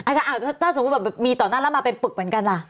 อาจารย์ถ้าสมมติมีต่อหน้าแล้วมาเป็นปึกเหมือนกันล่ะ